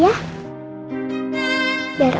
aku mau pergi